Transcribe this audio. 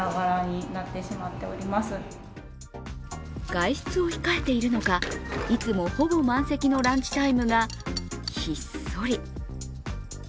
外出を控えているのか、いつもほぼ満席のランチタイムがひっそり。